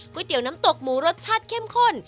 เตี๋ยวน้ำตกหมูรสชาติเข้มข้น